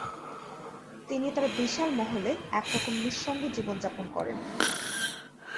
তিনি তার বিশাল মহলে এক রকম নিঃসঙ্গ জীবন যাপন করেন।